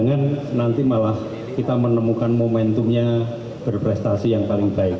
jangan nanti malah kita menemukan momentumnya berprestasi yang paling baik